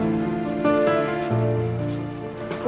harusnya aku gak pernah nyakitin hati ibu